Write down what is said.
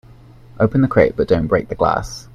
Open the crate but don't break the glass.